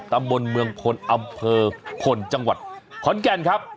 ตำบลเมืองพลอำเภอพลจังหวัดขอนแก่นครับ